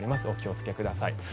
お気をつけください。